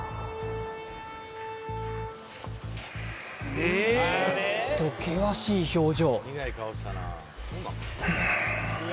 おっと険しい表情